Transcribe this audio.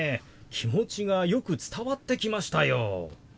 気持ちがよく伝わってきましたよ。